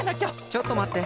ちょっとまって。